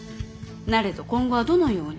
なれど今度はどのように。